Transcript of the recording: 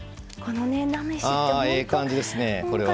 ええ感じですね。